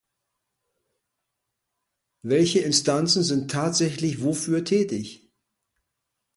Welche Instanzen sind tatsächlich wofür tätig?